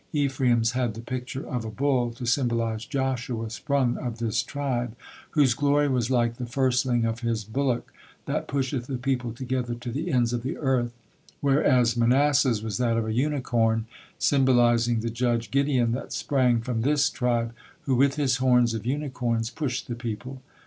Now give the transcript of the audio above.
Ephraim's had the picture of a bull, to symbolize Joshua, sprung of this tribe, whose glory was like "the firstling of his bullock, that pusheth the people together to the ends of the earth;" whereas Manasseh's was that of a unicorn, symbolizing the judge Gideon that sprang from this tribe, "who with his horns of unicorns pushed the people."